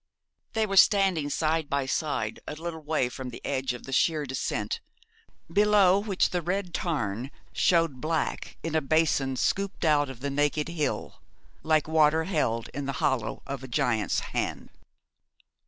They were standing side by side a little way from the edge of the sheer descent, below which the Bed Tarn showed black in a basin scooped out of the naked hill, like water held in the hollow of a giant's hand.